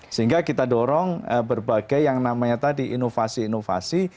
sehingga kita dorong berbagai yang namanya tadi inovasi inovasi